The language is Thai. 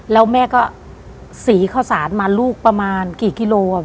แล้วแม่ก็สีข้าวสารมาลูกประมาณกี่กิโล